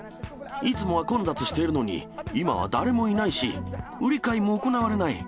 いつもは混雑しているのに、今は誰もいないし、売り買いも行われない。